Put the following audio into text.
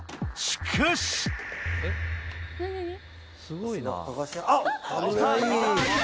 すごいなぁ。